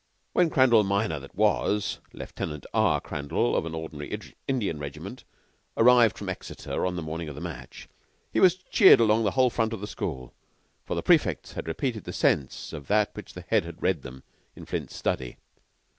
When Crandall minor that was Lieutenant R. Crandall of an ordinary Indian regiment arrived from Exeter on the morning of the match, he was cheered along the whole front of the College, for the prefects had repeated the sense of that which the Head had read them in Flint's study.